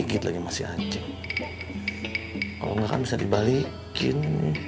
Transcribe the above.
gigit lagi masih aja kalau nggak bisa dibalikin